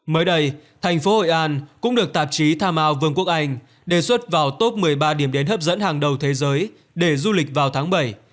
mới đây thành phố hội an cũng được tạp chí tham ao vương quốc anh đề xuất vào top một mươi ba điểm đến hấp dẫn hàng đầu thế giới